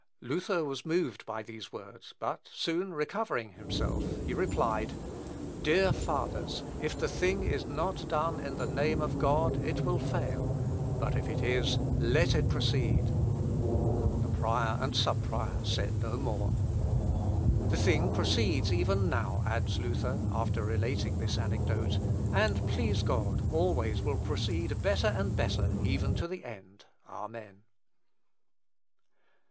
Luther was moved by these words, but soon recovering himself, he replied, "Dear fathers, if the thing is not done in the name of God it will fail, but if it is, let it proceed." The prior and sub prior said no more. "The thing proceeds even now," adds Luther, after relating this anecdote, "and, please God, always will proceed better and better, even to the end. Amen."